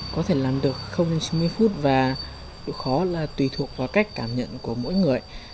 có thể làm được chín mươi phút và khó là tùy thuộc vào cách cảm nhận của mỗi người